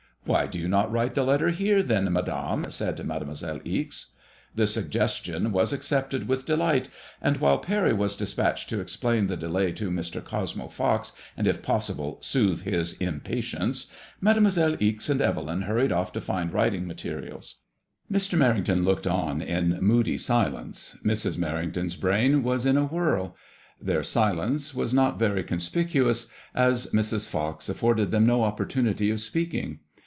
"Why do you not write the letter here, then, Madame 7 " said Mademoiselle Ixe. The suggestion was accepted with delight, and while Parry was despatched to explain the delay to Mr. Cosmo Fox, and if possible soothe his impatience. Mademoiselle Ixe and Evelyn hurried off to find writing materials. Mr. Merrington looked on in moody silence ; Mrs. Merrington's brain was in a whirl. Their silence was not MADEMOISELLE IXS. 85 very conspicuous, as Mrs. Fox afforded them no opportunity of speaking.